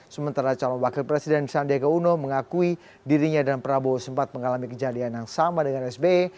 sementara calon wakil presiden sandiaga uno mengakui dirinya dan prabowo sempat mengalami kejadian yang sama dengan sbe